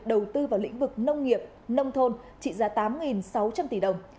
đầu tư vào lĩnh vực nông nghiệp nông thôn trị giá tám sáu trăm linh tỷ đồng